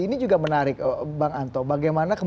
ini juga menarik bang anto bagaimana